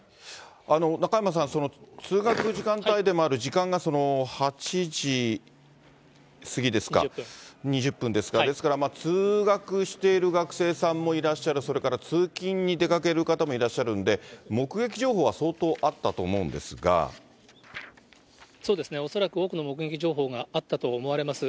中山さん、通学時間帯でもある時間が８時過ぎですか、２０分ですか、ですから、通学している学生さんもいらっしゃる、それから通勤に出かける方もいらっしゃるんで、目撃情報は相当あそうですね、恐らく多くの目撃情報があったと思われます。